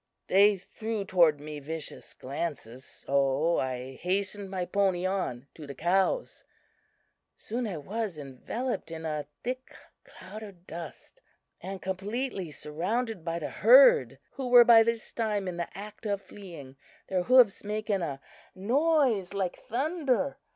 They threw toward me vicious glances, so I hastened my pony on to the cows. Soon I was enveloped in a thick cloud of dust, and completely surrounded by the herd, who were by this time in the act of fleeing, their hoofs making a noise like thunder.